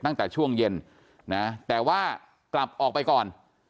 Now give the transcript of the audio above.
ตั้งแต่ช่วงเย็นนะแต่ว่ากลับออกไปก่อน